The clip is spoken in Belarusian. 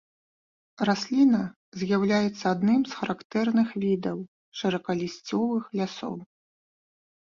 Расліна з'яўляецца адным з характэрных відаў шырокалісцевых лясоў.